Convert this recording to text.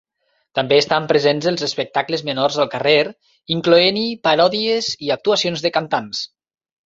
També estan presents els espectacles menors al carrer, incloent-hi paròdies i actuacions de cantants.